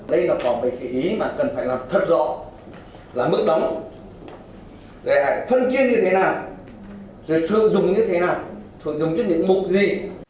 đây là có bảy cái ý mà cần phải làm thật rõ là mức đóng phân chiên như thế nào rồi sử dụng như thế nào sử dụng cho những mục gì